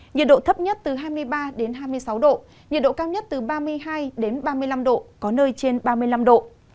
nhiệt độ thấp nhất từ hai mươi ba hai mươi sáu độ nhiệt độ cao nhất từ ba mươi hai ba mươi năm độ có nơi trên ba mươi năm độ